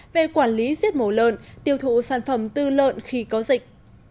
về quản lý giết mổ lợn tiêu thụ sản phẩm tư lợn khi có dịch